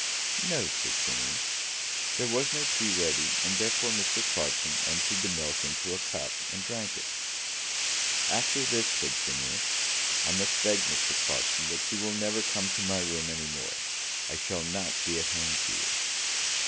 "No," said Phineas. There was no tea ready, and therefore Mr. Clarkson emptied the milk into a cup and drank it. "After this," said Phineas, "I must beg, Mr. Clarkson, that you will never come to my room any more. I shall not be at home to you."